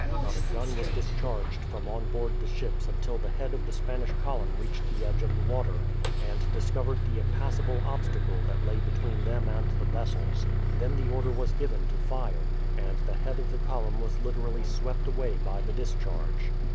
Not a gun was discharged from on board the ships until the head of the Spanish column reached the edge of the water, and discovered the impassable obstacle that lay between them and the vessels. Then the order was give to fire, and the head of the column was literally swept away by the discharge.